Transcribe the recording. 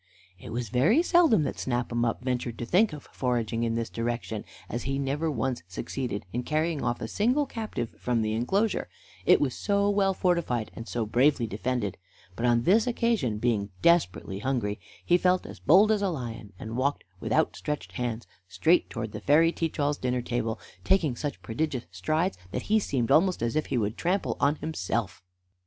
It was very seldom that Snap 'em up ventured to think of foraging in this direction, as he never once succeeded in carrying off a single captive from the enclosure, it was so well fortified and so bravely defended; but on this occasion, being desperately hungry, he felt as bold as a lion, and walked, with outstretched hands, straight towards the fairy Teach all's dinner table, taking such prodigious strides that he seemed almost as if he would trample on himself.